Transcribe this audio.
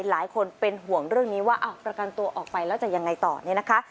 หลายคนเป็นห่วงเรื่องนี้ว่าประกันตัวออกไปแล้วจะยังไงต่อเนี่ยนะคะ